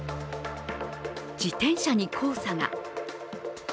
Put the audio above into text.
自転車に黄砂が。